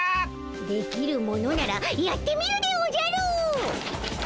できるものならやってみるでおじゃる！